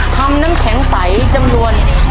ทำนั้นแข็งใสจำนวน๖ถ้วย